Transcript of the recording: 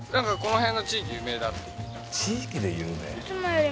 地域で有名？